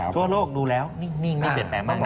ทั่วโลกดูแล้วนิ่งไม่เปลี่ยนแปลงมากมาย